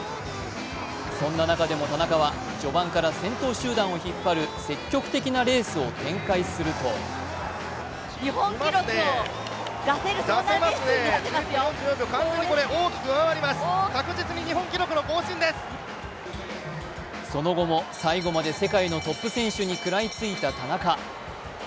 そんな中でも田中は序盤から先頭集団を引っ張る積極なレースを展開するとその後も最後まで世界のトップ選手に食らいついた田中。